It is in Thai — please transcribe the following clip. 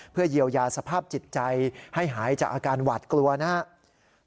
เพื่อเยียวยาสภาพจิตใจให้หายจากอาการหวาดกลัวนะครับ